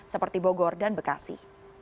seperti bogor dan bekasi